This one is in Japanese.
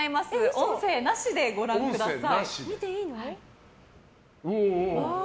音声なしでご覧ください。